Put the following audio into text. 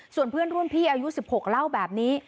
ส่วนเพื่อนรุ่นพี่อายุ๑๖เล่าแบบนี้